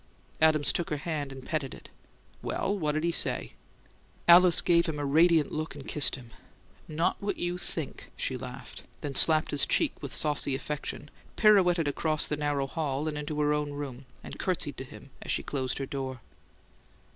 Adams took her hand and petted it. "Well, what did he say?" Alice gave him a radiant look and kissed him. "Not what you think!" she laughed; then slapped his cheek with saucy affection, pirouetted across the narrow hall and into her own room, and curtsied to him as she closed her door.